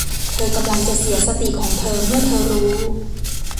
เธอกำลังจะเสียสติของเธอเมื่อเธอรู้